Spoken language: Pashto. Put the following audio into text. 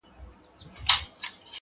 راته ايښي يې گولۍ دي انسانانو-